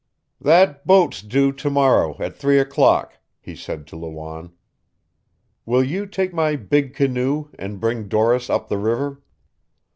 "That boat's due to morrow at three o'clock," he said to Lawanne. "Will you take my big canoe and bring Doris up the river?